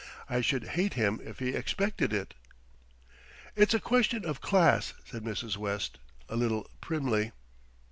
I should hate him if he expected it." "It's a question of class," said Mrs. West a little primly.